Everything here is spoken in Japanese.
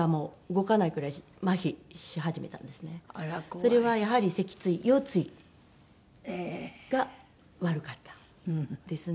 それはやはり脊椎腰椎が悪かったんですね。